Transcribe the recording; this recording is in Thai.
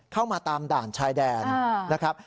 เข้ามาตามด่านชายแดนนะครับ